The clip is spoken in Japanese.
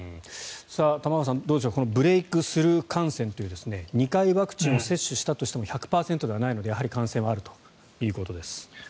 玉川さん、どうでしょうこのブレークスルー感染という２回ワクチンを接種したとしても１００％ではないのでやはり感染はあるということです。